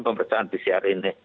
pemeriksaan pcr ini